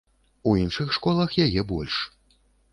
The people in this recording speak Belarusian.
У іншых школах яе больш.